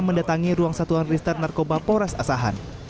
mendatangi ruang satuan ristar narkoba poras asahan